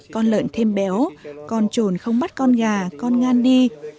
con lợn thêm béo con trồn không bắt con gà con ngan đi